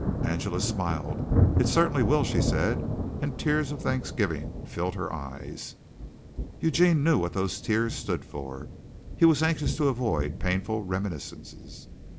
Angela smiled. "It certainly will," she said, and tears of thanksgiving filled her eyes. Eugene knew what those tears stood for. He was anxious to avoid painful reminiscences.